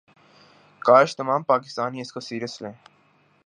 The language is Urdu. کاش تمام پاکستانی اس کو سیرس لیے